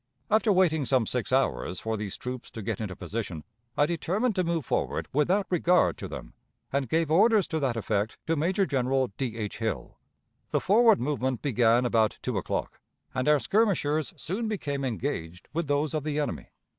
... After waiting some six hours for these troops to get into position, I determined to move forward without regard to them, and gave orders to that effect to Major General D. H. Hill. The forward movement began about two o'clock, and our skirmishers soon became engaged with those of the enemy.